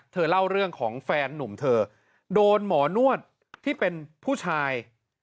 เล่าเรื่องของแฟนนุ่มเธอโดนหมอนวดที่เป็นผู้ชาย